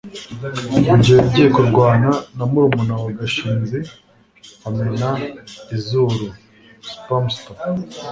rugeyo yagiye kurwana na murumuna wa gashinzi amena izuru (spamster